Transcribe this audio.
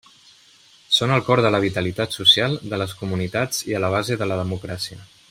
Són al cor de la vitalitat social de les comunitats i a la base de la democràcia.